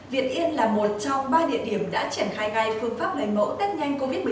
việt yên là một trong ba địa điểm đã triển khai gai phương pháp lấy mẫu test nhanh covid một mươi chín